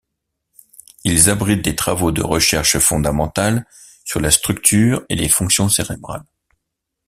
Il abrite des travaux de recherche fondamentale sur la structure et les fonctions cérébrales.